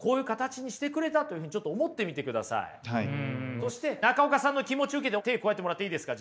そして中岡さんの気持ちを受けて手加えてもらっていいですか？